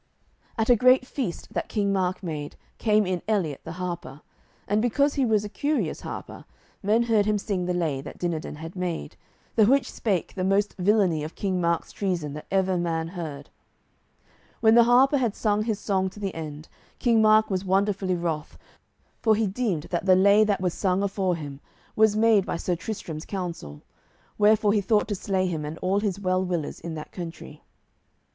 At a great feast that King Mark made came in Eliot the harper, and because he was a curious harper, men heard him sing the lay that Dinadan had made, the which spake the most villainy of King Mark's treason that ever man heard. When the harper had sung his song to the end, King Mark was wonderly wroth, for he deemed that the lay that was sung afore him was made by Sir Tristram's counsel, wherefore he thought to slay him and all his well willers in that country.